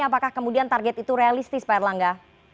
apakah kemudian target itu realistis pak erlangga